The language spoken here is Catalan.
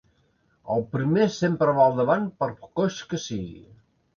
El primer sempre va al davant, per coix que sigui.